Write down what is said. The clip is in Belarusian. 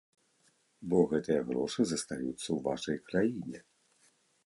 Бо гэтыя грошы застаюцца ў вашай краіне.